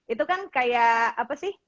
itu kan kayak apa sih